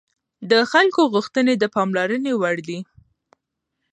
د خلکو غوښتنې د پاملرنې وړ دي